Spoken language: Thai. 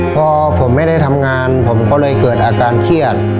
พอผมไม่ได้ทำงานผมก็เลยเกิดอาการเครียด